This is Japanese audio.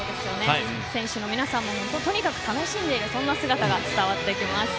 選手の皆さんもとにかく楽しんでいるそんな姿が伝わってきます。